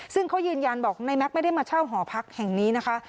ซึ่งเขายืนยันบอกนายแม็กซไม่ได้มาเช่าหอพักแห่งนี้นะคะ